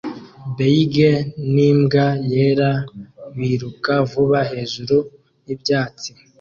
Beige n'imbwa yera biruka vuba hejuru y'ibyatsi